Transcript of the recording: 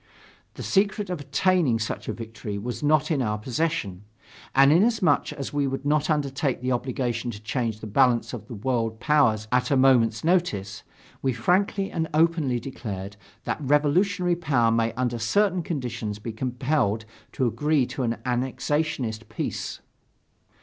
The secret of attaining such a victory was not in our possession. And inasmuch as we would not undertake the obligation to change the balance of the world powers at a moment's notice, we frankly and openly declared that revolutionary power may under certain conditions be compelled to agree to an annexationist peace.